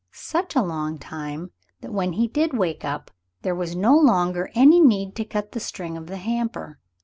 Such a long time that when he did wake up there was no longer any need to cut the string of the hamper.